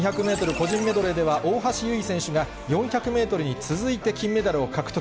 個人メドレーでは、大橋悠依選手が４００メートルに続いて金メダルを獲得。